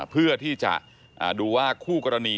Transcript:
เพื่อที่จะดูว่าคู่กรณี